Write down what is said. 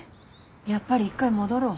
やっぱり一回戻ろう。